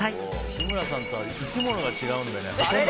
日村さんとは生き物が違うんでね。